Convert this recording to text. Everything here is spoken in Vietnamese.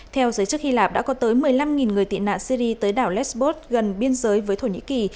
theo giới chức hy lạp đã có tới một mươi năm người tị nạn syri tới đảo lesbot gần biên giới với thổ nhĩ kỳ